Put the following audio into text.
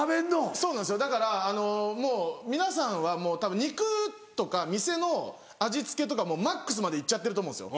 そうなんですよだからもう皆さんは肉とか店の味付けとかもうマックスまで行っちゃってると思うんですよ。